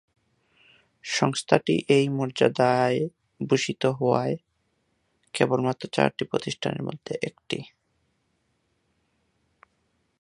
সংস্থাটি এই মর্যাদায় ভূষিত হওয়া কেবলমাত্র চারটি প্রতিষ্ঠানের মধ্যে একটি।